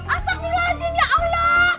astagfirullahaladzim ya allah